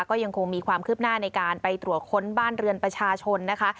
ก็ยังคงมีความคืบหน้าในการไปตรวจค้นบ้านเรือนประชาชนนะคะ